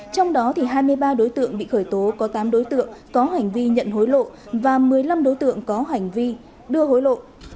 trong đó hai mươi ba đối tượng bị khởi tố có tám đối tượng có hành vi nhận hối lộ và một mươi năm đối tượng có hành vi đưa hối lộ